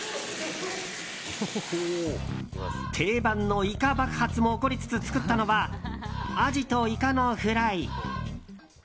定番のイカ爆発も起こりつつ作ったのはアジとイカのフライ。